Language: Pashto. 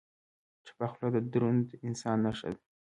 چپه خوله، د دروند انسان نښه ده.